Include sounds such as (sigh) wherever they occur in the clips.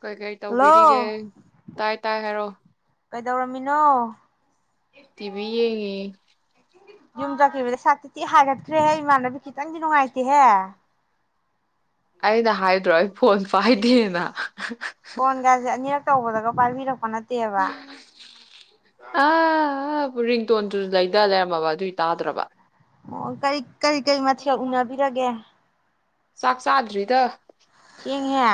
ꯀꯩ ꯀꯩ ꯇꯧꯕꯤꯔꯤꯒꯦ ꯍꯜꯂꯣ ꯇꯥꯏ ꯇꯥꯏ ꯍꯥꯏꯔꯣ ꯀꯩꯗꯧꯔꯝꯃꯤꯅꯣ ꯇꯤꯚ ꯌꯦꯡꯉꯦ ꯌꯨꯝ ꯆꯠꯈꯤꯕꯗ ꯁꯛꯇꯤ ꯇꯤꯛ ꯍꯥꯏꯒꯠꯈ꯭ꯔꯦꯍꯦ ꯏꯃꯥꯟꯅꯕꯤ ꯈꯤꯇꯪꯗꯤ ꯅꯨꯡꯉꯥꯏꯇꯦꯍꯦ ꯑꯩꯅ ꯍꯥꯏꯗ꯭ꯔꯣ ꯑꯩ ꯐꯣꯟ ꯄꯥꯏꯗꯦꯅ ꯀꯥꯁꯦ ꯑꯅꯤꯔꯛ ꯇꯧꯕꯗꯒ ꯄꯥꯏꯕꯤꯔꯛꯄ ꯅꯠꯇꯦꯕ ꯑ ꯔꯤꯡꯇꯣꯟꯗꯨ ꯂꯩꯗ ꯂꯩꯔꯝꯃꯕ ꯑꯗꯨꯏ ꯇꯥꯗ꯭ꯔꯕ ꯑꯣ ꯀꯔꯤ ꯀꯔꯤ ꯀꯔꯤ ꯃꯊꯦꯜ ꯎꯅꯕꯤꯔꯒꯦ ꯁꯥꯥꯛ ꯆꯥꯗ꯭ꯔꯤꯗ ꯆꯦꯡꯍ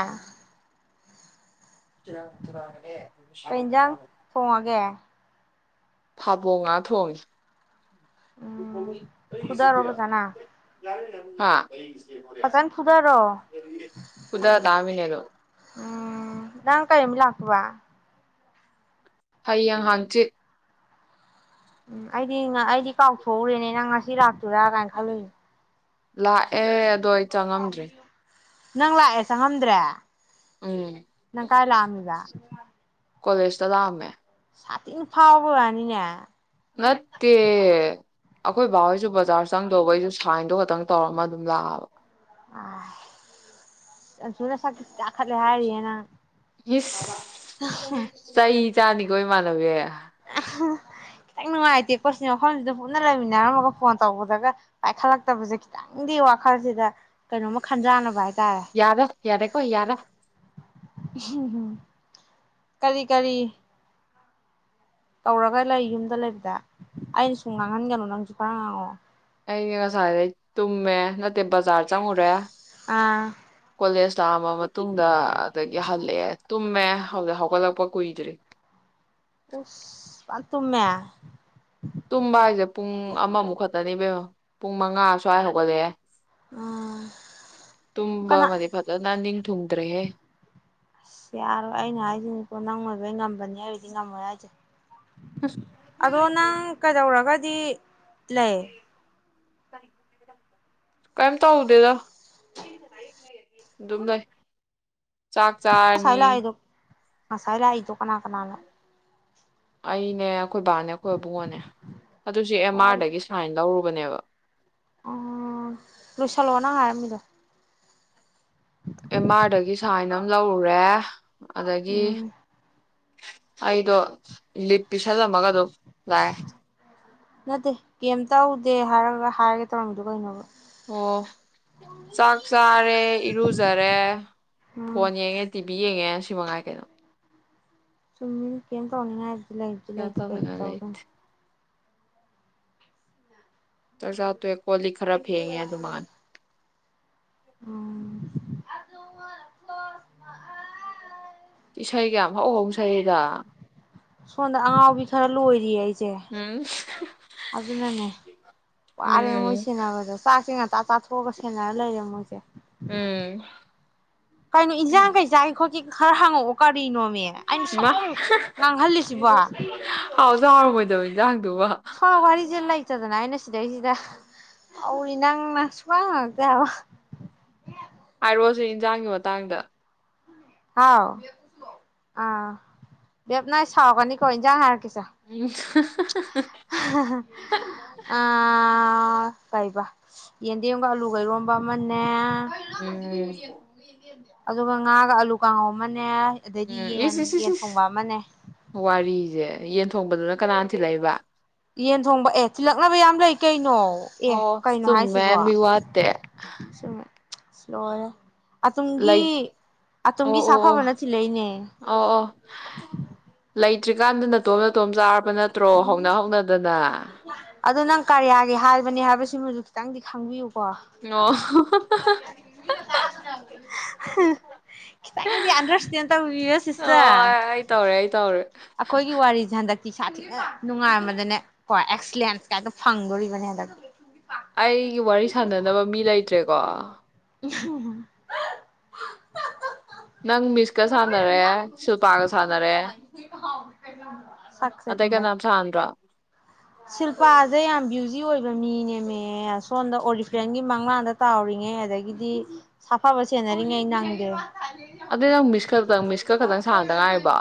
ꯆꯗꯨꯨꯔꯦ ꯀꯩ ꯌꯦꯟꯖꯥꯡ ꯊꯣꯡꯉꯒꯦ ꯊꯥꯕꯣꯡ ꯉꯥ ꯊꯣꯡꯉꯦ ꯎꯝ ꯐꯨꯗꯔꯣ ꯐꯖꯅ ꯐꯖꯅ ꯐꯨꯗꯔꯣ ꯈꯨꯗ ꯇꯃꯤꯅ ꯎꯝ ꯅꯪ ꯀꯥꯏꯃꯤ ꯂꯥꯛꯄꯕ ꯍꯌꯦꯡ ꯍꯥꯡꯆꯤꯠ ꯎꯝ ꯑꯩꯗꯤ ꯑꯩꯗꯤ ꯀꯥꯎꯊꯣꯛꯎꯔꯦꯅꯦꯅ ꯉꯁꯤ ꯂꯥꯛ ꯆꯨꯨꯔꯥ ꯀꯥꯈ ꯂꯣꯏ ꯂꯥꯛꯑꯦ ꯑꯗꯣ ꯑꯩ ꯆꯪꯉꯝꯗ꯭ꯔꯤ ꯅꯪ ꯂꯥꯛꯑꯦ ꯆꯪꯉꯝꯗ꯭ꯔꯦ ꯎꯝ ꯅꯪ ꯀꯥꯏ ꯂꯥꯛꯑꯝꯃꯤꯕ ꯀꯣꯂꯦꯖꯇ ꯂꯥꯛꯑꯝꯃꯦ ꯁꯥꯇꯤꯡ ꯐꯥꯎꯕ ꯑꯅꯤꯅꯦ ꯅꯠꯇꯦ ꯑꯩꯈꯣꯏ ꯕꯥꯕꯍꯣꯏꯁꯨ ꯕꯖꯥꯔ ꯆꯪꯗꯧꯕ ꯑꯩꯁꯨ ꯁꯥꯏꯟꯗꯣ ꯈꯛꯇꯪ ꯇꯧꯔꯝꯃ ꯑꯗꯨꯝ ꯂꯥꯛꯑꯕ ꯑ ꯆꯨꯅꯁꯀꯤ ꯀꯥꯈꯠꯂꯦ ꯍꯥꯏꯔꯤꯌꯦꯦꯅꯪ ꯆꯍꯤ ꯆꯥꯅꯤꯒꯣ ꯏꯃꯥꯟꯅꯧ ꯌꯥꯦ ꯑ ꯈꯤꯇꯪ ꯅꯨꯡꯉꯥꯏꯇꯦꯀꯣ ꯁꯤ ꯃꯐꯝꯁꯤꯗ ꯄꯨꯟꯅ ꯂꯩꯃꯤꯟꯅꯔꯝꯃꯒ ꯐꯣꯟ ꯇꯧꯕꯗꯒ ꯄꯥꯏꯈꯠꯂꯛꯇꯕꯁꯦ ꯈꯤꯇꯪ ꯈꯤꯇꯪꯗꯤ ꯋꯥꯈꯜꯁꯤꯗ ꯀꯩꯅꯣꯝꯃ ꯈꯟꯖꯥꯟꯅꯕ ꯍꯥꯏꯇꯥꯔꯦ ꯌꯥꯔ ꯌꯥꯔꯦ ꯀꯣ ꯌꯥꯔ ꯀꯔꯤ ꯀꯔꯤ ꯇꯧꯔꯒ ꯂꯩ ꯌꯨꯝꯗ ꯂꯩꯕꯗ ꯑꯩꯅ ꯁꯨꯝ ꯉꯥꯡꯍꯟꯒꯅꯨ ꯅꯪꯁꯨ ꯈꯔ ꯉꯥꯡꯉꯛꯑꯣ ꯑꯩꯩꯅ ꯉꯁꯥꯏꯗꯩ ꯇꯨꯝꯃꯦ ꯅꯠꯇꯦ ꯕꯖꯥꯔ ꯆꯪꯉꯨꯔꯦ ꯑꯥ ꯀꯣꯂꯦꯖ ꯇꯥꯑꯃ ꯃꯇꯨꯡꯗ ꯑꯗꯒꯤ ꯍꯜꯂꯛꯑꯦ ꯇꯨꯝꯃꯦ ꯍꯧꯖꯤꯛ ꯍꯧꯒꯠꯂꯛꯄ ꯀꯨꯏꯗ꯭ꯔꯤ ꯎ ꯄꯜ ꯇꯨꯃꯦ ꯇꯨꯝꯕ ꯍꯥꯏꯁꯦ ꯄꯨꯡ ꯑꯃꯃꯨꯛ ꯈꯛꯇꯅꯦꯕꯦꯝꯣ ꯄꯨꯡ ꯃꯉꯥ ꯁ꯭ꯋꯥꯏ ꯍꯧꯒꯠꯂꯛꯑꯦ ꯎꯝ ꯇꯨꯝꯕ ꯀꯅꯥ ꯃꯅꯤ ꯐꯠꯇ ꯅ ꯅꯤꯡ ꯊꯨꯡꯗ꯭ꯔꯦ ꯍꯦ ꯁꯤ ꯌꯥꯔꯣꯏ ꯑꯩꯅ ꯍꯥꯏꯁꯤꯀꯣ ꯅꯪ ꯑꯣꯏꯣꯏꯕꯩ ꯉꯝꯕꯅꯤ ꯍꯥꯏꯔꯗꯤ ꯉꯝꯃꯣꯏ ꯍꯥꯏꯁꯦ ꯑꯗꯣ ꯅꯪ ꯀꯩꯗꯧꯔꯒꯗꯤ ꯂꯩ ꯀꯩꯝ ꯇꯧꯗꯦꯗꯥ ꯑꯗꯨꯝ ꯂꯩ ꯆꯥꯛ ꯆꯥꯔꯅꯤ ꯉꯁꯥꯏ ꯂꯥꯛꯗ ꯉꯁꯥꯏ ꯂꯥꯛ ꯏꯗꯣ ꯀꯅꯥ ꯀꯅꯥꯅꯣ ꯑꯩꯅꯦ ꯑꯩꯈꯣꯏ ꯕꯥꯅꯦ ꯑꯩꯈꯣꯏ ꯏꯕꯨꯡꯉꯣꯅꯦ ꯑꯗꯨꯁꯨ ꯑꯦꯝ ꯑꯣ ꯑꯥꯔꯗꯒꯤ ꯁꯥꯏꯟ ꯂꯧꯔꯨꯕꯅꯦꯕ ꯑꯣ ꯂꯣꯏꯁꯜꯂꯣꯑꯣ ꯅꯪ ꯍꯥꯏꯔꯝꯃꯤꯗꯣ ꯑꯦꯝ ꯑꯥꯔꯗꯒꯤ ꯁꯥꯏꯟ ꯑꯃ ꯂꯧꯔꯨꯔꯦ ꯑꯗꯒꯤ ꯎꯝ ꯑꯩꯗꯣ ꯂꯤꯞꯄꯤ ꯁꯥꯖꯝꯃꯒ ꯑꯗꯨ ꯂꯥꯛꯑꯦ ꯅꯠꯇꯦ ꯀꯦꯝ ꯇꯧꯗꯦ ꯍꯥꯏꯔꯒ ꯍꯥꯏꯔꯒꯦ ꯇꯧꯔꯝꯃꯤꯗꯣ ꯀꯩꯅꯣꯕ ꯑꯣ ꯆꯥꯛ ꯆꯥꯔꯦ ꯏꯔꯨꯖꯔꯦ ꯎꯝ ꯐꯣꯟ ꯌꯦꯡꯉꯦ ꯇꯤꯚꯤ ꯌꯦꯡꯉꯦ ꯁꯤ ꯃꯉꯥꯏ ꯀꯩꯅꯣ ꯆꯨꯝꯃꯤ ꯀ ꯇꯧꯅꯤꯡꯉ ꯍꯥꯏꯗꯤ ꯂꯩꯗꯨ ꯂꯩ ꯒ꯭ꯌꯥꯟ ꯀꯩ ꯇꯥꯅꯤꯡꯉꯥꯏ ꯇꯧꯒ ꯂꯩꯇꯦ ꯆꯥꯖꯥ ꯇꯣꯛꯑꯦ ꯀꯣ ꯂꯤ ꯈꯔ ꯐꯦꯡꯉꯦ ꯑꯗꯨꯃꯥꯟ (unintelligible) ꯏꯁꯩꯒ ꯌꯥꯝ ꯍꯧꯍꯧꯁꯛꯏꯗ ꯁꯣꯝꯗ ꯑꯉꯥꯎꯕꯤ ꯈꯔ ꯂꯣꯏꯔꯤꯌꯦ ꯑꯩꯁꯦ ꯎꯝ ꯑꯗꯨꯅꯅꯦ ꯋꯥꯔꯦ ꯃꯣꯏ ꯎꯝ ꯁꯦꯟꯅꯕꯗꯣ ꯆꯥꯛꯁꯤ ꯉꯟꯇꯥ ꯆꯥꯊꯣꯛꯑꯒ ꯁꯦꯟꯅꯔ ꯂꯩꯔꯦ ꯃꯣꯏꯁꯦ ꯎꯝ ꯀꯩꯅꯣ ꯏꯟꯖꯥꯡ ꯀꯩ ꯆꯥꯒꯤ ꯈꯣꯠꯀ ꯈꯔ ꯍꯪꯉꯛꯑꯣ ꯀꯔꯤꯅꯣ ꯑꯩꯅ ꯁꯨꯝ ꯉꯥꯡꯍꯜꯂꯤꯁꯤꯕꯣ ꯑꯥꯎꯖꯥ ꯍꯥꯎꯔꯝꯃꯣꯏꯗꯕ ꯏꯟꯖꯥꯡꯗꯨꯕ ꯋꯥꯔꯤꯁꯦ ꯂꯩꯇꯗꯅ ꯑꯩꯅ ꯁꯤꯗꯩꯁꯤꯗ ꯍꯧꯔꯤ ꯅꯪꯅ ꯁꯨꯍꯪꯡ ꯍꯪꯉꯛꯇꯦꯕ ꯍꯥꯏꯔꯛꯑꯣꯁꯦ ꯏꯟꯖꯥꯡꯒꯤ ꯃꯇꯥꯡꯗ ꯍꯥꯎ ꯑꯥ ꯕꯅꯏ ꯁꯥꯎꯒꯅꯤꯀꯣ ꯏꯟꯖꯥꯡ ꯍꯥꯏꯔꯛꯀꯦꯁꯦ (unintelligible) (unintelligible) ꯑ ꯀꯩꯕ ꯌꯦꯟꯗꯦꯝꯒ ꯑꯂꯨ ꯀꯩꯔꯣꯝꯕ ꯑꯃꯅꯦ ꯎꯝ ꯑꯗꯨꯒ ꯉꯥꯒ ꯑꯥꯂꯨ ꯀꯥꯡꯉꯧ ꯑꯃꯅꯦ ꯑꯗꯩꯗꯤ ꯌꯦꯟ ꯌꯦꯟ ꯊꯣꯡꯕ ꯑꯃꯅꯦ ꯋꯥꯔꯤꯁꯦ ꯌꯦꯟ ꯊꯣꯡꯕꯗꯨꯅ ꯀꯅꯥꯅ ꯊꯤꯜꯂꯛꯏꯕ ꯌꯦꯟ ꯊꯣꯡꯕ ꯑꯦ ꯊꯤꯜꯂꯛꯅꯕ ꯌꯥꯝ ꯂꯩ ꯀꯩꯅꯣ ꯑꯦ ꯑꯣ ꯀꯩꯅꯣ ꯆꯨꯝꯃꯦ ꯍꯥꯏꯁꯤꯕꯣ ꯃꯤ ꯋꯥꯠꯇꯦ ꯁꯨꯝ ꯂꯣꯏꯔꯦ ꯑꯇꯣꯝꯒꯤ ꯂꯩ ꯑꯣ ꯑꯇꯣꯝꯒꯤ ꯁꯥꯐꯕꯅ ꯊꯤꯜꯂꯛꯏꯅꯦ ꯑꯣ ꯑꯣ ꯂꯩꯇ꯭ꯔꯤꯀꯥꯟꯗ ꯅꯠꯇ ꯑꯇꯣꯝꯅꯇꯣꯝ ꯆꯥꯔꯕ ꯅꯠꯇ꯭ꯔꯣ ꯍꯧꯅ ꯍꯧꯅꯗꯅ ꯑꯗꯨꯗ ꯅꯪ ꯀꯔꯤꯌꯥꯒꯤ ꯍꯥꯏꯕꯅꯦ ꯍꯥꯏꯕꯁꯤꯃꯁꯨ ꯈꯤꯇꯪꯗꯤ ꯈꯪꯕꯤꯌꯨꯀꯣ ꯑꯣ ꯎꯝ ꯈꯤꯇꯪꯗꯤ ꯑꯟꯗꯔꯁꯇꯦꯟ ꯇꯧ ꯌꯣ ꯑꯣ ꯁꯤꯁꯇ ꯑꯩ ꯇꯧꯔꯦ ꯑꯩ ꯇꯧꯔꯦ ꯑꯩꯈꯣꯏꯒꯤ ꯋꯥꯔꯤꯁꯦ ꯍꯟꯗꯛꯇꯤ ꯁꯥ ꯊꯤ ꯅꯨꯡꯉꯥꯏꯔ ꯑꯃꯗꯅꯦ ꯀꯣ ꯑꯦꯛꯁꯂꯦꯟꯁ ꯀꯥꯏꯇ ꯐꯪꯗꯣꯔꯤꯕꯅꯦ ꯍꯟꯗꯛꯇ ꯑꯩꯒꯤ ꯋꯥꯔꯤ ꯁꯥꯟꯅꯅꯕ ꯃꯤ ꯂꯩꯇ꯭ꯔꯦꯀꯣ (unintelligible) ꯅꯪ ꯃꯤꯁꯀ ꯁꯥꯟꯅꯔꯦ ꯁꯤꯜꯄꯥꯒ ꯁꯥꯟꯅꯔꯦ ꯁꯛꯁꯦ ꯑꯇꯩ ꯇꯨꯃꯦ ꯀꯅꯥꯝ ꯁꯥꯟꯅꯗ꯭ꯔꯣ ꯁꯤꯜꯐꯥꯁꯦ ꯌꯥꯝ ꯕ꯭ꯌꯨꯖꯤ ꯑꯣꯏꯕ ꯃꯤꯅꯦꯃꯦ ꯁꯣꯝꯗ ꯑꯣꯔꯤꯐ꯭ꯔꯦꯟꯒꯤ ꯃꯪꯂꯥꯟꯗ ꯇꯥꯎꯔꯤꯉꯦ ꯑꯗꯒꯤ ꯑꯗꯒꯤꯗꯤ ꯁꯥꯐꯕ ꯁꯦꯟꯅꯔꯤꯉꯩ ꯑꯩ ꯅꯪꯗꯦ ꯑꯗꯨꯏ ꯅꯪ ꯃꯤꯁ ꯈꯛꯇꯪ ꯃꯤꯁ ꯈ ꯈꯛꯇꯪ ꯁꯥꯟꯅꯗ ꯉꯥꯏꯔꯤꯕꯣ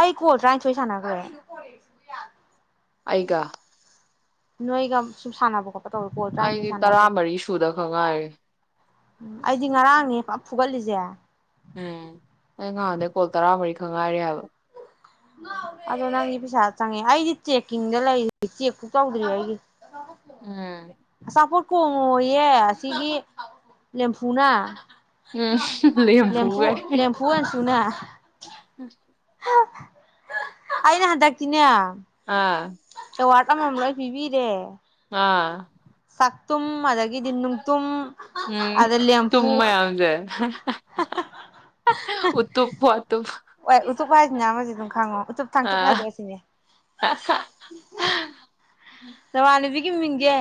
ꯑꯩ ꯀꯣꯜ ꯇꯔꯥꯅꯤꯊꯣꯏ ꯁꯥꯟꯅꯈ꯭ꯔꯦ ꯑꯩꯒ ꯅꯣꯏꯒꯝ ꯁꯨꯝ ꯁꯥꯟꯅꯕꯀꯣ ꯑꯩꯗꯤ ꯇꯔꯥꯃꯔꯤ ꯁꯨꯗ ꯈꯛ ꯉꯥꯏꯔꯤ ꯎꯝ ꯑꯩꯗꯤ ꯉꯔꯥꯡꯅꯦ ꯐ ꯐꯨꯒꯠꯂꯤꯁꯦ ꯎꯝ ꯑꯩ ꯉꯍꯥꯟꯗꯩ ꯀꯣꯜ ꯇꯔꯥꯃꯔꯤ ꯈꯛ ꯉꯥꯏꯔꯤ ꯍꯥꯏꯕ (unintelligible) ꯑꯗꯣ ꯅꯪꯗꯤ ꯄꯩꯁꯥ ꯆꯪꯉꯦ ꯑꯩꯗꯤ ꯆꯦꯛꯀꯤꯡꯗ ꯂꯩꯔꯤ ꯆꯦꯛ ꯐꯨ ꯇꯧꯗ꯭ꯔꯤ ꯑꯩꯒꯤꯗꯤ (unintelligible) (unintelligible) ꯑꯆꯥꯄꯣꯠ ꯀꯣꯡꯉꯣꯌꯦ ꯑꯁꯤꯒꯤ ꯂꯦꯝꯐꯨꯅ ꯎꯝ (unintelligible) ꯂꯦꯝꯐꯨ ꯂꯦꯝꯐꯨꯒꯥꯏ ꯂꯦꯝꯐꯨ ꯑꯦꯟꯁꯨꯅ (unintelligible) ꯑꯩꯅ ꯍꯟꯗꯛꯇꯤꯅꯦ ꯑꯥ ꯑꯦꯋꯥꯔꯗ ꯑꯃꯃꯝ ꯂꯣꯏ ꯄꯤꯕꯤꯔꯦ ꯑꯥ ꯆꯥꯛꯇꯨꯝ ꯑꯗꯒꯤꯗꯤ ꯅꯨꯡꯇꯨꯝ ꯎꯝ ꯑꯗ ꯂꯦꯝꯐꯨ (unintelligible) (unintelligible) ꯎꯇꯨꯞ ꯋꯥꯇ__ ꯑꯣꯏ ꯎꯇꯨꯞ ꯍꯥꯏꯁꯤꯅ ꯑꯃꯖꯤ ꯑꯗꯨꯝ ꯈꯪꯉꯣ ꯎꯇꯨꯞ ꯊꯥꯡꯆꯨꯞ ꯍꯥꯏꯗꯨꯅ ꯁꯤꯅꯦ ꯑꯦꯁꯥ ꯅꯃꯥꯟꯅꯕꯤꯒꯤ ꯃꯤꯡꯁꯦ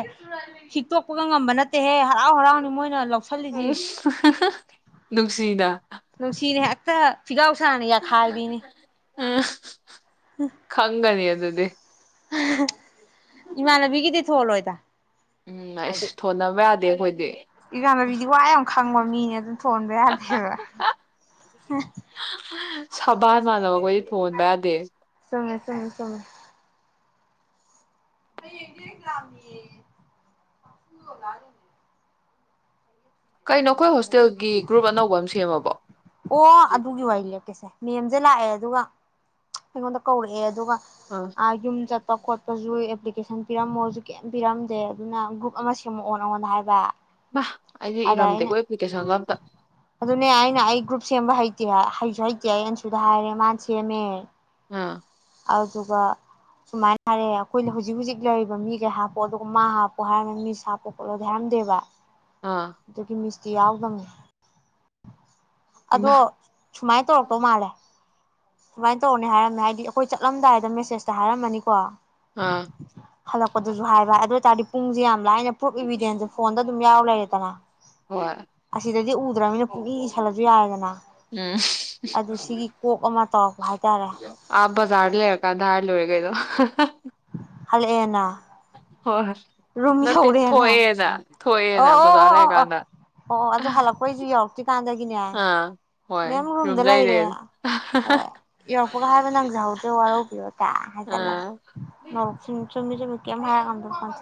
ꯍꯤꯛꯇꯣꯛꯄꯒ ꯉꯝꯕ ꯅꯠꯇꯦꯍꯦ ꯍꯔꯥꯎ ꯍꯔꯥꯎꯅꯤ ꯃꯣꯏꯅ ꯂꯧ__ ꯁꯜꯂꯤꯖꯤ (unintelligible) ꯅꯨꯡꯁꯤꯅ ꯅꯨꯡꯁꯤꯅ ꯍꯦꯛꯇ ꯐꯤꯒꯥꯎ ꯁꯥꯅ ꯌꯥꯈꯥꯏꯕꯤꯅꯤ ꯑ (unintelligible) ꯈꯪꯉꯅꯤ ꯑꯗꯨꯗꯤ (unintelligible) ꯏꯃꯥꯟꯅꯕꯤꯒꯤꯗꯤ ꯊꯣꯜꯂꯣꯏꯗ ꯎꯝ ꯑꯩꯏꯁ ꯊꯣꯟꯅꯕ ꯌꯥꯗꯦ ꯑꯩꯈꯣꯏꯗꯤ ꯏꯃꯥꯟꯅꯕꯤꯗꯤ ꯋꯥ ꯌꯥꯝ ꯈꯪꯕ ꯃꯤꯅꯦ ꯑꯗꯨꯅ ꯊꯣꯟꯕ ꯌꯥꯗꯦꯕ (unintelligible) ꯁꯕꯥꯟ ꯃꯥꯟꯅꯕ ꯑꯩꯈꯣꯏꯗꯤ ꯊꯣꯟꯕ ꯌꯥꯗꯦ ꯆꯪꯉꯦ ꯆꯪꯉꯦ ꯆꯨꯝꯃꯦ ꯍꯌꯦꯡꯖꯦ ꯑꯦꯛꯖꯥꯝꯅꯦꯌꯦ (unintelligible) ꯑꯣꯖꯥꯖꯤꯡꯖꯦ ꯀꯩꯅꯣ ꯑꯩꯈꯣꯏ ꯍꯣꯁꯇꯦꯜꯒꯤ ꯒ꯭ꯔꯨꯞ ꯑꯅꯧꯕ ꯑꯃ ꯁꯦꯝꯃꯕꯣ ꯑꯣ ꯑꯗꯨꯒꯤ ꯋꯥꯔꯤ ꯂꯤꯔꯛꯀꯦꯁꯦ ꯃꯦꯝꯖꯦ ꯂꯥꯛꯑꯦ ꯑꯗꯨꯒ ꯑꯩꯉꯣꯟꯗ ꯀꯧꯔꯛꯑꯦ ꯑꯗꯨꯒ ꯑ ꯑꯥ ꯌꯨꯝ ꯆꯠꯄ ꯈꯣꯠꯄꯁꯨ ꯑꯦꯄ꯭ꯂꯤꯀꯦꯁꯟ ꯄꯤꯔꯝꯃꯣꯁꯨ ꯀꯦꯝ ꯄꯤꯔꯝꯗꯦ ꯑꯗꯨꯅ ꯒ꯭ꯔꯨꯞ ꯑꯃ ꯁꯦꯝ__ ꯁꯦꯝꯃꯛꯑꯣ ꯅꯉꯣꯟꯗ ꯍꯥꯏꯕ ꯃꯥ ꯑꯩꯗꯤ ꯑꯗ ꯑꯩꯅ ꯏꯔꯝꯗꯦꯀꯣ ꯑꯦꯄ꯭ꯂꯤꯀꯦꯁꯟꯒ ꯑꯝꯇ ꯑꯗꯨꯅꯦ ꯑꯩꯅ ꯑꯩ ꯒ꯭ꯔꯨꯞ ꯁꯦꯝꯕ ꯍꯩꯇꯦ ꯍꯥꯏ ꯍꯩꯁꯨ ꯍꯩꯇꯦ ꯑꯩ ꯑꯟꯁꯨꯗ ꯍꯥꯏꯔꯦ ꯃꯥꯅ ꯁꯦꯝꯃꯦ ꯑꯥ ꯑꯗꯨꯗꯨꯒ ꯁꯨꯃꯥꯏꯅ ꯍꯥꯏꯔꯛꯑꯦ ꯑꯩꯈꯣꯏꯅ ꯍꯧꯖꯤꯛ ꯍꯧꯖꯤꯛ ꯂꯩꯔꯤꯕ ꯃꯤꯒꯩ ꯍꯥꯞꯄꯣ ꯑꯗꯨꯒ ꯃꯥ ꯍꯥꯞꯄꯣ ꯍꯥꯏꯔꯝꯃꯦ ꯃꯤꯁ ꯍꯥꯞꯄꯣ ꯈꯣꯠꯂꯣꯗꯤ ꯍꯥꯏꯔꯝꯗꯦꯕ (inaudible) ꯑꯥ ꯑꯗꯨꯒꯤ ꯃꯤꯁꯇꯤ ꯌꯥꯎꯗꯕꯅꯦ ꯑꯗꯣ ꯏꯃꯥ ꯁꯨꯃꯥꯏ ꯇꯧꯔꯛꯇꯧ ꯃꯥꯜꯂꯦ ꯁꯨꯃꯥꯏꯅ ꯇꯧꯔꯅꯦ ꯍꯥꯏꯔꯝꯃꯦ ꯍꯥꯏꯗꯤ ꯑꯩꯈꯣꯏ ꯆꯠꯂꯝꯗꯥꯏꯗ ꯃꯦꯁꯦꯁꯇ ꯍꯥꯏꯔꯝꯃꯅꯤꯀꯣ ꯑꯥ ꯍꯜꯂꯛꯄꯗꯁꯨ ꯍꯥꯏꯕ ꯑꯗꯣꯏꯇꯥꯔꯗꯤ ꯄꯨꯡꯁꯦ ꯌꯥꯝ ꯂꯥꯏꯅ ꯄ꯭ꯔꯨꯐ ꯏꯚꯤꯗꯦꯟꯇꯁꯦ ꯐꯣꯟꯗ ꯑꯗꯨꯝ ꯌꯥꯎꯔ ꯂꯩꯔꯦꯗꯅ ꯍꯣꯏ ꯑꯁꯤꯗꯗꯤ ꯎ__ ꯗ꯭ꯔꯝꯅꯤꯅ ꯄꯨꯡꯢ ꯏꯁꯤꯜꯂꯁꯨ ꯌꯥꯔꯦꯗꯅ ꯎꯝ ꯑꯗꯨ ꯁꯤꯒꯤ ꯀꯣꯛ ꯑꯃ ꯇꯧꯔꯛꯄ ꯍꯥꯏꯇꯥꯔꯦ ꯑ ꯕꯖꯔ ꯂꯩꯔꯀꯗꯔ ꯍꯥꯏ ꯂꯣꯏꯔꯦ ꯀꯩꯅꯣ ꯍꯂꯛꯑꯅꯥ ꯍꯣꯏꯣꯏ ꯅꯠꯇꯦ ꯊꯣꯛꯑꯦꯅ ꯊꯣꯛꯑꯦꯅ ꯑꯣ ꯕꯖꯥꯔ ꯂꯩꯔꯀꯥꯟꯗ ꯑꯩꯈꯣꯏꯁꯨ ꯌꯧꯔꯛꯇ꯭ꯔꯤꯀꯥꯟꯗꯒꯤꯅꯦ ꯑꯥ ꯍꯣꯏ ꯃꯦꯝ ꯔꯨꯝ ꯔꯨꯝꯗ ꯂꯩꯔꯦ ꯂꯩꯔꯦꯅ ꯍꯣꯏ ꯌꯧꯔꯛꯄꯒ ꯍꯥꯏꯕ ꯅꯪꯖꯍꯧꯗꯦ ꯋꯥꯔꯧꯕꯤꯔꯣ ꯀ ꯍꯥꯏꯖꯜꯂꯒ꯫ ꯑꯥ ꯅꯔ ꯆꯃꯤ ꯆꯃꯤ ꯀꯦ ꯍꯥꯏ ꯀꯗ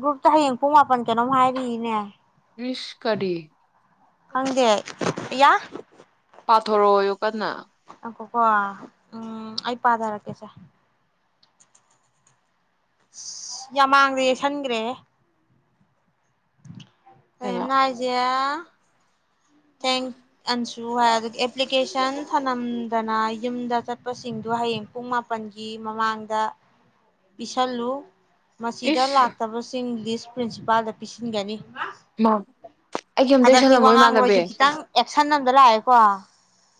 ꯒ꯭ꯔꯨꯞꯇ ꯍꯌꯦꯡ ꯄꯨꯡ ꯃꯥꯄꯟ ꯀꯩꯅꯣꯝ ꯍꯥꯏꯔꯤꯏꯅꯦ꯫ ꯏꯁ ꯀꯔꯤ ꯈꯪꯗꯦ ꯏꯌ ꯄꯥꯊꯣꯔꯛꯑꯣꯎ ꯀꯟꯅ ꯑꯣ ꯀꯣ ꯎꯝ ꯑꯩ ꯄꯥꯊꯔꯛꯀꯦꯁꯦ꯫ ꯌꯥꯝ ꯃꯥꯡꯗ ꯌꯦꯁꯟꯈ꯭ꯔꯦꯍꯦ꯫ ꯑꯩꯅ ꯃꯝꯅꯅꯥ ꯍꯥꯏꯖꯦ꯫ ꯊꯦꯡ ꯑꯟꯖꯨ ꯍꯥꯏ ꯑꯦꯄ꯭ꯂꯤꯀꯦꯁꯟ ꯊꯅꯝꯗꯅ ꯌꯨꯝꯗ ꯆꯇ ꯆꯠꯄꯁꯤꯡꯗꯨ ꯍꯌꯦꯡ ꯄꯨꯡ ꯃꯥꯄꯜꯒꯤ ꯃꯃꯥꯡꯗ ꯄꯤꯁꯜꯂꯨ꯫ ꯃꯁꯤꯗ ꯏꯁ ꯂꯥꯛꯇꯕꯁꯤꯡ ꯂꯤꯁ ꯄ꯭ꯔꯤꯟꯁꯤꯄꯥꯜꯗ ꯄꯤꯁꯤꯟꯒꯅꯤ꯫ ꯃꯥ ꯑꯩꯒꯤ ꯑꯝꯇ ꯁꯜꯂꯝꯃꯣꯏ ꯏꯃꯥꯟꯅꯕꯤ꯫ ꯅꯪ ꯑꯦꯛꯁꯟꯗ ꯂꯥꯛꯑꯦꯀꯣ꯫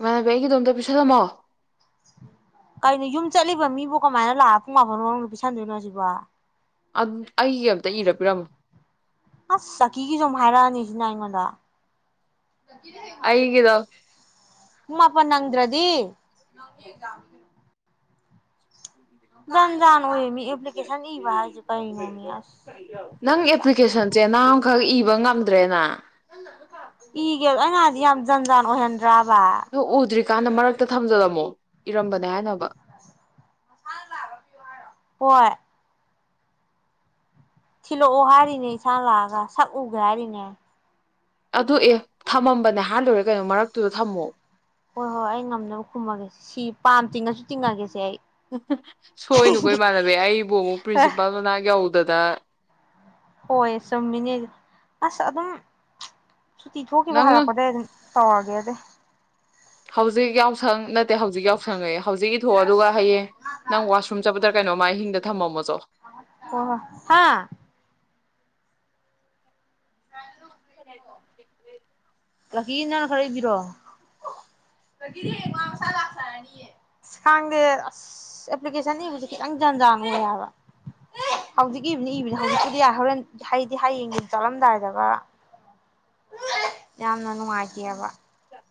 ꯏꯃꯥꯅꯕꯤ ꯑꯩꯒꯤꯗꯣꯝ ꯄꯤꯁꯜꯂꯝꯃꯣ ꯀꯩꯅꯣ ꯌꯨꯝ ꯆꯠꯂꯤꯕ ꯃꯤꯕꯨ ꯀꯃꯥꯏꯅ ꯂꯥꯛ ꯄꯨꯡ ꯃꯥꯄꯟ ꯋꯥ ꯅꯨꯄꯤ ꯁꯟꯗꯣꯏꯅꯣ ꯁꯤꯕꯣ꯫ ꯑꯩꯒꯤ ꯑꯝꯇ ꯏꯔ ꯄꯔꯝꯃꯣ꯫ ꯑꯁ ꯆꯀꯤꯒꯤꯁꯨꯨ ꯍꯥꯏꯔꯛꯑꯅꯤ ꯁꯤꯅ ꯑꯩꯉꯣꯟꯗ꯫ ꯑꯩꯒꯤꯗꯣ ꯄꯨꯡ ꯃꯄꯥꯅ ꯅꯪꯗ꯭ꯔꯗꯤ (unintelligible) ꯖꯟꯖꯥꯟ ꯑꯣꯏꯌꯦꯃꯤ ꯑꯦꯄ꯭ꯂꯤꯀꯦꯁꯟ ꯏꯕ ꯍꯥꯏꯦ ꯀꯔꯤꯅꯣ ꯃꯤ ꯑꯁ ꯅꯪ ꯑꯦꯄ꯭ꯂꯤꯀꯦꯁꯟꯁꯦ ꯆꯦꯅꯥ ꯑꯃꯈꯛ ꯏꯕ ꯉꯝꯗ꯭ꯔꯦ ꯅꯪ (unintelligible) ꯏꯒꯦ ꯑꯩꯉꯥꯗꯤ ꯌꯥꯝ ꯖꯟ ꯖꯥꯟ ꯑꯣꯏꯍꯟꯗ꯭ꯔꯕ ꯅꯣ ꯎꯗ꯭ꯔꯤꯀꯥꯟꯗ ꯃꯔꯛꯇ ꯊꯝꯖꯂꯝꯃꯣ ꯏꯔꯝꯕꯅꯦ ꯍꯥꯏꯅꯕ ꯍꯣꯏ꯫ ꯊꯤꯜꯂꯛꯑꯣ ꯍꯥꯏꯔꯤꯅꯦ ꯏꯟꯥꯡ ꯂꯥꯛꯑꯒ ꯁꯛꯎꯒꯦ ꯍꯥꯏꯔꯤꯅꯦ꯫ ꯑꯗꯨ ꯑꯦ ꯊꯝꯃꯝꯕꯅꯦꯍ ꯂꯨꯔꯦ ꯀꯩꯅꯣ ꯃꯔꯛꯇꯨꯗ ꯊꯝꯃꯣ꯫ ꯍꯣꯏ ꯍꯣꯏ ꯑꯩ ꯉꯝꯅꯕ ꯈꯨꯝꯃꯒꯦꯁꯦ ꯁꯤ ꯄꯥꯝ ꯇꯤꯡꯉꯁꯨ ꯇꯤꯡꯉꯒꯦꯁꯦ ꯑꯩ ꯁꯣꯏꯅꯨꯀꯣ ꯏꯃꯥꯟꯅꯕꯤ ꯑꯩꯕꯨ ꯑꯃꯨꯛ ꯄ꯭ꯔꯤꯟꯁꯤꯄꯥꯜ ꯃꯅꯥꯛ ꯌꯧꯗꯅ ꯍꯣꯏ ꯆꯨꯝꯃꯤꯅꯦ ꯑꯁ ꯑꯗꯨꯝ ꯁꯨꯇꯤ ꯊꯣꯛꯈꯤꯕ ꯅꯪ ꯍꯥꯏꯔꯛꯄꯗ ꯑꯗꯨꯝ ꯇꯥꯎꯒꯦꯗꯤ꯫ ꯍꯧꯖꯤꯛ ꯌꯥꯎꯁꯪ ꯅꯠꯇꯦ ꯍꯧꯖꯤꯛ ꯌꯥꯎꯁꯪꯉꯦ ꯍꯧꯖꯤꯛ ꯏ ꯊꯣꯛꯑ ꯑꯗꯨꯒꯒ ꯍꯌꯦꯡ ꯅꯪ ꯋꯥꯁꯔꯨꯝ ꯆꯠꯄꯗꯥ ꯀꯩꯅꯣ ꯃꯥ ꯑꯍꯤꯡꯗ ꯊꯝꯃꯝꯃꯣꯁꯨꯣ꯫ ꯍꯣꯏ ꯍꯣꯏ꯫ (inaudible) (inaudible) ꯑ ꯈꯥꯡꯗꯦ ꯑꯁ ꯑꯦꯄ꯭ꯂꯤꯀꯦꯁꯟꯅꯤꯕꯁꯦ ꯈꯤꯇꯪ ꯖꯟꯖꯥꯅ ꯂꯩ ꯍꯥꯏꯕ ꯍꯧꯖꯤꯛꯀꯤ ꯏꯕꯅꯤ ꯏꯕꯅꯤ ꯍꯧꯖꯤꯛꯀꯤꯗꯤ ꯌꯥꯏ ꯍꯣꯔꯦꯟ ꯍꯗꯤ ꯍꯌꯦꯡꯒꯤ ꯆꯠꯂꯝꯗꯥꯏꯗꯒ ꯌꯥꯝꯅ ꯅꯨꯡꯉꯥꯏꯇꯦꯕ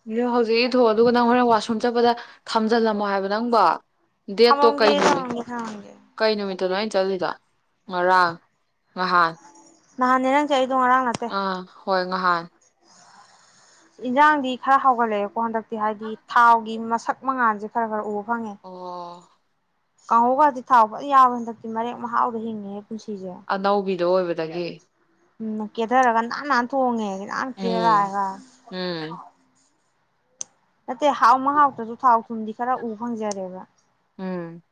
ꯑꯗꯣ ꯍꯧꯖꯤꯛꯤ ꯊꯣꯛ ꯑꯗꯨꯒ ꯅꯪ ꯍꯣꯔꯅ ꯋꯥꯁꯔꯨꯝ ꯆꯠꯄꯗ ꯊꯝꯖꯤꯜꯂꯝꯃꯣ ꯍꯥꯏꯕ ꯅꯪꯕꯣ ꯗꯇꯦꯇꯣ ꯊꯃꯝꯒꯦ ꯀꯥꯏ ꯅꯨꯃꯤꯠ ꯊꯃꯝꯒꯦ ꯊꯃꯝꯒꯦ ꯀꯩ ꯅꯨꯃꯤꯠꯇ ꯅꯃꯥꯏꯅ ꯆꯠꯂꯤꯗꯣ ꯉꯔꯥꯡ ꯅꯍꯥꯟ ꯅꯍꯥꯟꯅꯦ ꯅꯪꯒꯤ ꯆꯠꯂꯤꯗꯣ ꯉꯔꯥꯡ ꯑ ꯍꯣꯏ ꯉꯍꯥꯟ (inaudible) ꯏꯟꯁꯥꯡꯗꯤ ꯈꯔ ꯍꯥꯎꯒꯠꯂꯛꯑꯦꯀꯣ ꯍꯟꯗꯛꯇꯤ ꯍꯥꯏꯗꯤ ꯊꯥꯎꯒꯤ ꯃꯁꯛ ꯃꯉꯥꯟꯁꯦ ꯈꯔ ꯈꯔ ꯎꯕ ꯐꯪꯉꯦ ꯑꯣ ꯀꯥꯡꯍꯧꯒꯗꯤ ꯊꯥꯎꯕ ꯌꯥꯕ꯭ꯔ ꯍꯟꯗꯛꯇꯤ ꯃꯔꯦꯛ ꯃꯍꯥꯎꯗ ꯍꯤꯡꯉꯦ ꯑꯅꯧꯕꯤꯗꯣ ꯑꯣꯏꯕꯗꯒꯤ ꯎꯝ ꯀꯦꯊꯔꯒꯥꯟ ꯅꯍꯥꯟ ꯅꯍꯥꯟ ꯊꯣꯡꯉꯦ ꯅꯍꯥꯟ ꯎꯝ ꯀꯦꯔꯒꯑꯒ ꯎꯝ ꯅꯠꯇꯦ ꯍꯥꯎ ꯃ ꯍꯥꯎꯇꯁꯨ ꯊꯥꯎ ꯊꯨꯝꯗꯤ ꯈꯔ ꯎ ꯐꯪꯖꯔꯦꯕ ꯎꯝ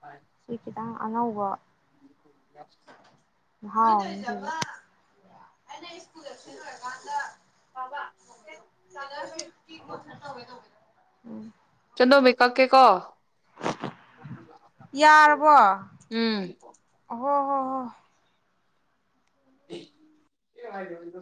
ꯐ (unintelligible) ꯁꯤ ꯈꯤꯇꯪ ꯑꯅꯧꯕ (unintelligible) ꯍꯥꯎ ꯑ ꯁ꯭ꯀꯂ (unintelligible) ꯕ (unintelligible) ꯐ ꯀꯊꯔ ꯇꯧꯋꯦ ꯇꯧꯋꯦꯗ (unintelligible) ꯆꯗꯣꯃꯤ ꯀꯛꯀꯦ ꯀꯣ (unintelligible) ꯌꯥꯔꯕꯣ ꯎꯝ ꯍꯣ ꯍꯣ ꯍꯣꯏ ꯀ ꯍꯥꯏꯥꯏꯗ (unintelligible)